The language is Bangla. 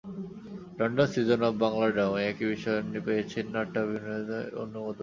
লন্ডনে সিজন অব বাংলা ড্রামায় একই বিষয়ে পেয়েছেন নাট্যাভিনয়ের অনুমোদন।